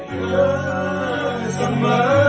ดื่ม